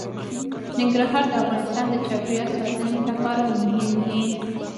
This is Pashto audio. ننګرهار د افغانستان د چاپیریال ساتنې لپاره مهم دي.